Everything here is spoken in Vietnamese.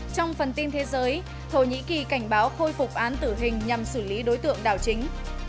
trong phần tin thế giới thổ nhĩ kỳ cảnh báo khôi phục án tử hình nhằm xử lý đối tượng đảo chính